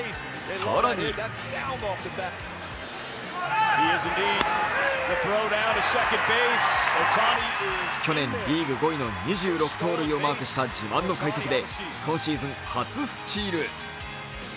更に去年リーグ５位の２５盗塁をマークした自慢の快足で今シーズン初スチール。